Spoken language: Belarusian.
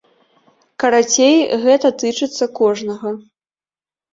Карацей, гэта тычыцца кожнага!